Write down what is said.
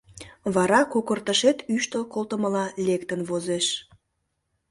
Вара кокыртышет ӱштыл колтымыла лектын возеш.